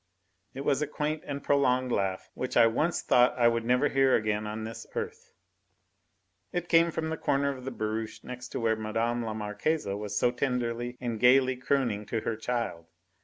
It was a quaint and prolonged laugh which I once thought I would never hear again on this earth. It came from the corner of the barouche next to where Mme. la Marquise was so tenderly and gaily crooning to her child.